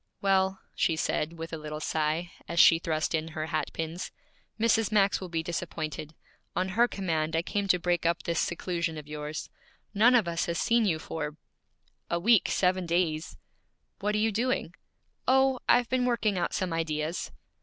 'Well,' she said, with a little sigh, as she thrust in her hat pins, 'Mrs. Max will be disappointed. On her command I came to break up this seclusion of yours. None of us have seen you for ' 'A week, seven days!' 'What are you doing?' 'Oh I've been working out some ideas.'